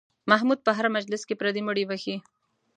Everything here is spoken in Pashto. محمود په هر مجلس کې پردي مړي بښي.